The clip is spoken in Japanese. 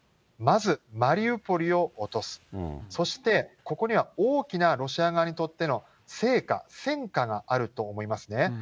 まず、マリウポリを落とす、そしてここには大きなロシア側にとっての成果、戦果があると思いますね。